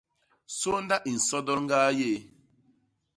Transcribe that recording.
Sônda i nsodol ñgaa yéé.